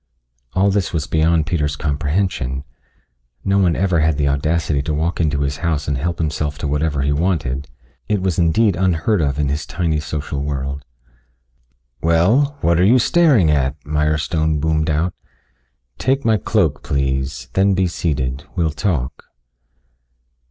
All this was beyond Peter's comprehension. No one ever had the audacity to walk into his house and help himself to whatever he wanted he was indeed unheard of in his tiny social world. "Well, what are you staring at?" Mirestone boomed out. "Take my cloak, please, then be seated. We'll talk."